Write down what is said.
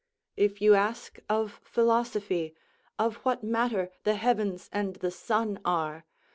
If you ask of philosophy of what matter the heavens and the sun are?